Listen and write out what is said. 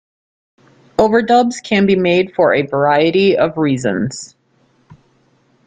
Overdubs can be made for a variety of reasons.